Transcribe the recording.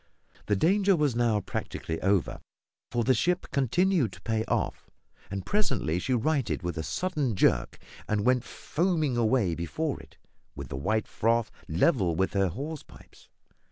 The danger was now practically over, for the ship continued to pay off, and presently she righted with a sudden jerk, and went foaming away before it, with the white froth level with her hawse pipes.